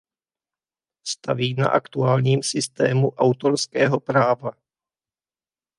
Staví na aktuálním systému autorského práva.